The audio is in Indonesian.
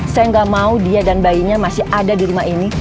saya nggak mau dia dan bayinya masih ada di rumah ini